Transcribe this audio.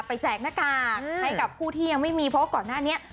แจกหน้ากากให้กับผู้ที่ยังไม่มีเพราะว่าก่อนหน้านี้